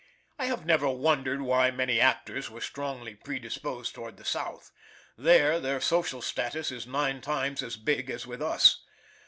I have never wondered why many actors were strongly predisposed toward the South. There, their social status is nine times as big as with us.